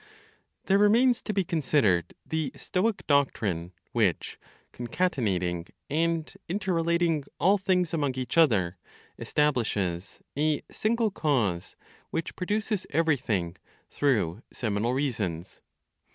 There remains to be considered the (Stoic) doctrine which, concatenating and interrelating all things among each other, establishes "a single cause which produces everything through seminal reasons."